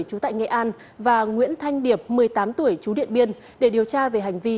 chú tại nghệ an và nguyễn thanh điệp một mươi tám tuổi chú điện biên để điều tra về hành vi